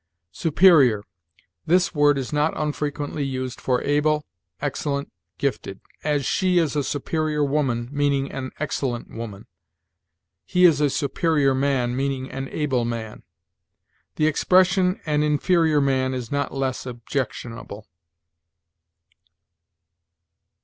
SUPERIOR. This word is not unfrequently used for able, excellent, gifted; as, "She is a superior woman," meaning an excellent woman; "He is a superior man," meaning an able man. The expression an inferior man is not less objectionable.